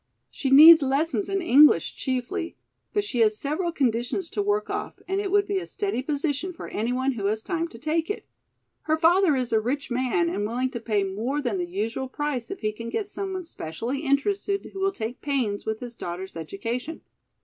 She needs lessons in English chiefly, but she has several conditions to work off and it would be a steady position for anyone who has time to take it. Her father is a rich man and willing to pay more than the usual price if he can get someone specially interested who will take pains with his daughter's education."